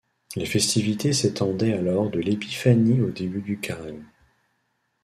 Les festivités s'étendaient alors de l'épiphanie au début du carême.